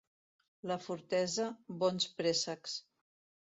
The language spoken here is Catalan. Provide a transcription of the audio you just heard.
La Fortesa, bons préssecs.